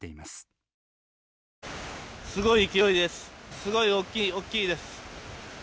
すごい大きい、大きいです！